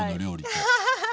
アハハハ！